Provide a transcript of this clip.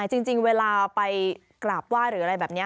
ใช่จริงเวลาไปกราบว่าหรืออะไรแบบนี้